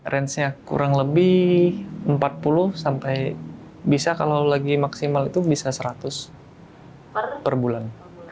range nya kurang lebih empat puluh sampai bisa kalau lagi maksimal itu bisa seratus per bulan